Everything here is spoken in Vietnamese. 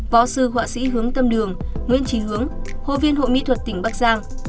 võ sư họa sĩ hướng tâm đường nguyễn trí hướng hội viên hội mỹ thuật tỉnh bắc giang